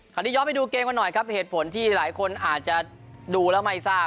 นี้ย้อนไปดูเกมกันหน่อยครับเหตุผลที่หลายคนอาจจะดูแล้วไม่ทราบ